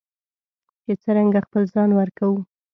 چې څرنګه خپل ځان ورکوو.